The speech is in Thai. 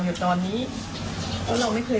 แล้วตอนนี้ศาลให้ประกันตัวออกมาแล้ว